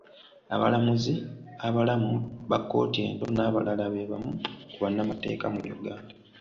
Abalamuzi, abalamu ba kkooti ento n'abalala be bamu ku bannamateeka mu Uganda.